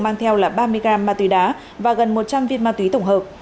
mang theo là ba mươi gram ma túy đá và gần một trăm linh viên ma túy tổng hợp